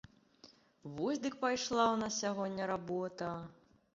Вось дык пайшла ў нас сягоння работа!